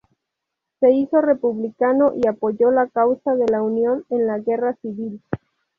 Se hizo Republicano y apoyó la causa de la unión en la guerra civil.